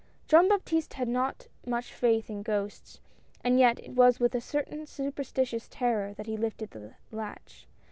Jean Baptiste had not much faith in ghosts, and yet it was with a certain superstitious terror that he lifted the latch.